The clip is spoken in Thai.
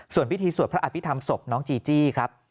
ส่วนพิธีสวดพระอภิษฐรรมศพน้องจีจี้ครับ